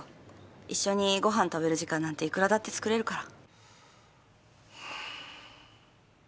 一緒にご飯食べる時間なんていくらだって作れるから。